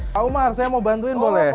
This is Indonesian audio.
pak umar saya mau bantuin boleh